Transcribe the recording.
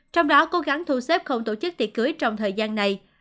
trong đó cố gắng thu xếp khâu tổ chức tiệc cưới trong thời gian này